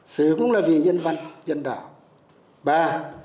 xử cũng là vì nhân văn nhân đạo